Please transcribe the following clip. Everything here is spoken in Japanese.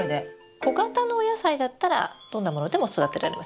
小型のお野菜だったらどんなものでも育てられます。